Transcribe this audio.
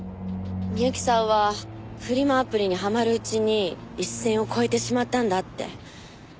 美由紀さんはフリマアプリにハマるうちに一線を越えてしまったんだって。